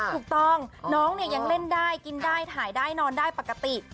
ถูกต้องน้องยังเล่นได้มีการท่วมเล่นกินถือถ่ายก็ได้นอนได้ปกติ